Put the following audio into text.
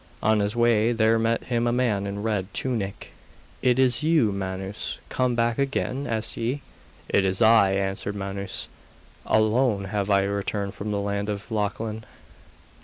On his way there met him a man in a red tunic. 'Is it you, Manus, come back again?' asked he. 'It is I,' answered Manus; 'alone have I returned from the land of Lochlann.